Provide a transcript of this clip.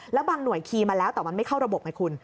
แล้วบางหน่วยขี่มาแล้วแต่มันไม่เข้าระบบไงคุณ